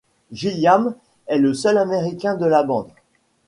Gilliam est le seul américain de la bande.